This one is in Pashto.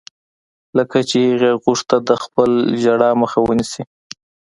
لکه چې هغې غوښتل د خپلې ژړا مخه ونيسي.